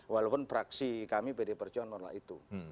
walaupun praksi kami berdebar jauhan mengenai itu